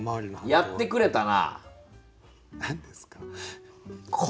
やってくれたな。